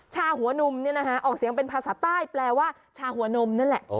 หัวนมออกเสียงเป็นภาษาใต้แปลว่าชาหัวนมนั่นแหละ